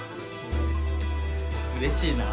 うれしいなぁ。